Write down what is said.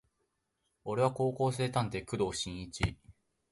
俺は高校生探偵工藤新一